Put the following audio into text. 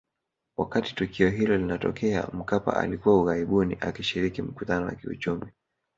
Wakati tukio hilo linatokea Mkapa alikuwa ughaibuni akishiriki mkutano wa kiuchumi